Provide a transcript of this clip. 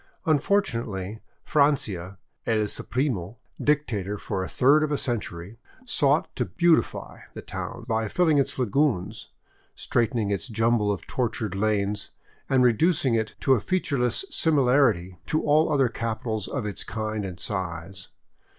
Unfortunately, Francia, " El Supremo," dictator for a third of a century, sought to " beautify " the town by filling its lagoons, straightening its jumble of tortuous lanes, and reducing it to a feature less similarity to all other capitals of its kind and size.